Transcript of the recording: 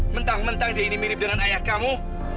mentang mentang dia ini mirip dengan ayah kamu